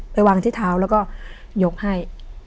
ไปวางที่เท้าแล้วก็ยกให้